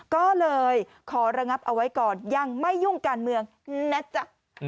ก็เลยขอระงับเอาไว้ก่อนยังไม่ยุ่งการเมืองนะจ๊ะ